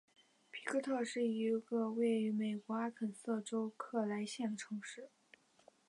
皮哥特是一个位于美国阿肯色州克莱县的城市。